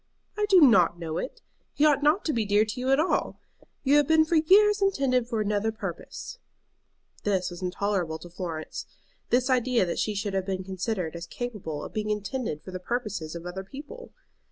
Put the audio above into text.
"I do not know it. He ought not to be dear to you at all. You have been for years intended for another purpose." This was intolerable to Florence, this idea that she should have been considered as capable of being intended for the purposes of other people!